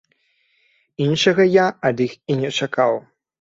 Іншага я ад іх і не чакаў.